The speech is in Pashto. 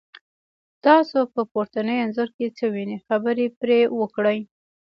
تاسو په پورتني انځور کې څه وینی، خبرې پرې وکړئ؟